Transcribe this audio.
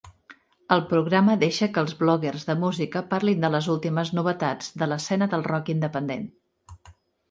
El programa deixa que els bloguers de música parlin de les últimes novetats de l'escena del rock independent.